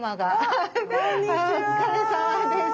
お疲れさまです。